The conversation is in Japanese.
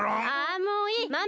あもういい！